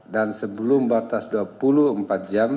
dan sebelum batas dua puluh empat jam